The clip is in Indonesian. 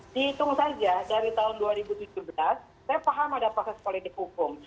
dihitung saja dari tahun dua ribu tujuh belas saya paham ada proses politik hukum